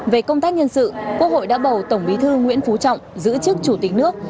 về công tác nhân sự quốc hội đã bầu tổng bí thư nguyễn phú trọng giữ chức chủ tịch nước